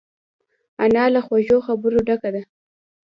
انا له خوږو خبرو ډکه ده